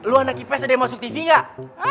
lu anak kipas ada yang masuk tv nggak